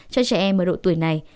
cho trẻ em ở độ tuổi này